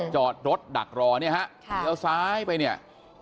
จอดรถดักรอเนี่ยฮะเลี้ยวซ้ายไปเนี่ย